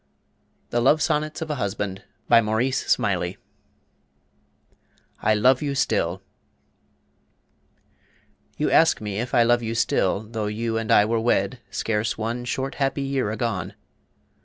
] THE LOVE SONNETS OF A HUSBAND BY MAURICE SMILEY I LOVE YOU STILL You ask me if I love you still, tho' you And I were wed scarce one short happy year Agone.